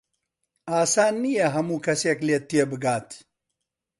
ئاسان نییە هەموو کەسێک لێت تێبگات.